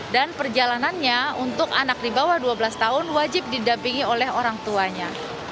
dan perjalanannya untuk anak di bawah dua belas tahun wajib didampingi oleh orang tuanya